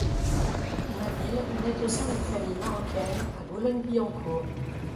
Nabil naît au sein d'une famille marocaine à Boulogne-Billancourt.